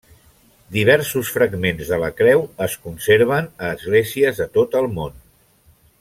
Diversos fragments de la Creu es conserven a esglésies de tot el món.